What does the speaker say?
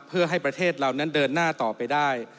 เพื่อให้ประเทศเรานั้นเดินหน้าต่อไปได้